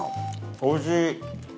おいしい！